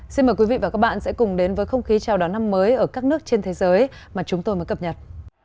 xin mời quý vị và các bạn sẽ cùng đến với không khí chào đón năm mới ở các nước trên thế giới mà chúng tôi mới cập nhật